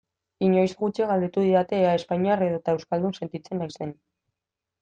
Inoiz gutxi galdetu didate ea espainiar edota euskalduna sentitzen naizen.